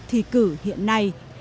thì cử hiện nay